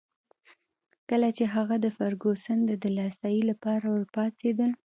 کله چي هغه د فرګوسن د دلاسايي لپاره ورپاڅېدل.